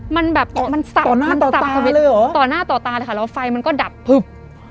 มันสับต่อหน้าต่อตาเลยค่ะแล้วไฟมันก็ดับพึบ